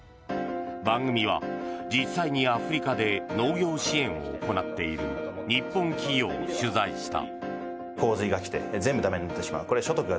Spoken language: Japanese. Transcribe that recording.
番組は、実際にアフリカで農業支援を行っている日本企業を取材した。